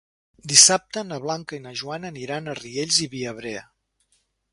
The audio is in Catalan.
Dissabte na Blanca i na Joana aniran a Riells i Viabrea.